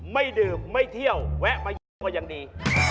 ไม่ดื่มไม่เที่ยวแวะมายุ่งกว่าอย่างดี